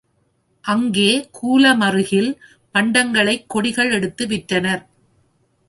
அங்கே கூலமறுகில் பண்டங்களைக் கொடிகள் எடுத்து விற்றனர்.